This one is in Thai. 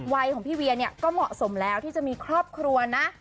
ของพี่เวียเนี่ยก็เหมาะสมแล้วที่จะมีครอบครัวนะ